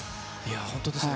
本当ですね。